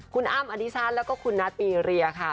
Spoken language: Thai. คุณอ้ำอธิชาติแล้วก็คุณนัทปีเรียค่ะ